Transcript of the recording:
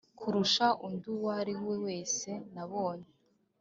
kurusha undi uwo ariwe wese nabonye